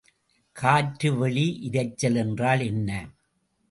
காற்று வெளி இரைச்சல் என்றால் என்ன?